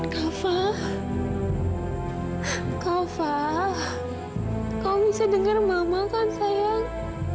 kafa kafa kau bisa denger mama kan sayang